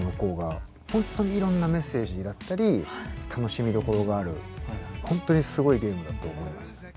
ほんとにいろんなメッセージだったり楽しみどころがあるほんとにすごいゲームだと思いますね。